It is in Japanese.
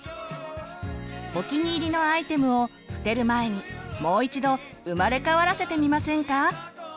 お気に入りのアイテムを捨てる前にもう一度生まれ変わらせてみませんか！